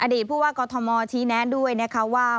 ผู้ว่ากอทมชี้แนะด้วยนะคะว่า